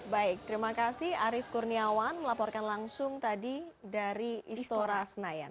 baik terima kasih arief kurniawan melaporkan langsung tadi dari istora senayan